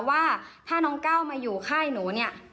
ว่าถ้าน้องก้าวมาอยู่ค่ายหนูเนี่ย